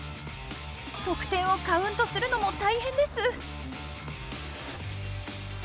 得点をカウントするのも大変です。